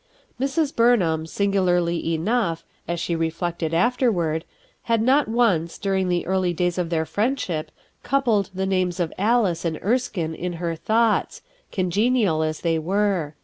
Mrs. Burnham, singularly enough, as she re flected afterward, had not once, during the 5S BOTH ERSKINE'S SON early days of their friendship, coupled the names of Alice and Erskine in her thoughts congenial as they were.